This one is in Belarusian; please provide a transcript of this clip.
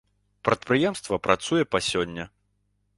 Прадпрыемства працуе па сёння.